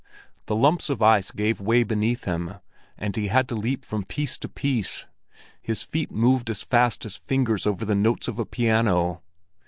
The lumps of ice gave way beneath him, and he had to leap from piece to piece; his feet moved as fast as fingers over the notes of a piano.